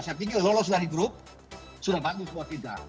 saya pikir lolos dari grup sudah bagus buat kita